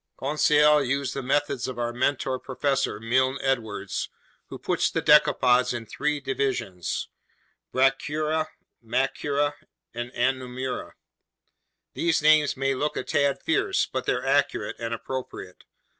Conseil used the methods of our mentor Professor Milne Edwards, who puts the decapods in three divisions: Brachyura, Macrura, and Anomura. These names may look a tad fierce, but they're accurate and appropriate.